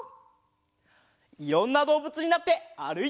いろんなどうぶつになってあるいちゃうよ。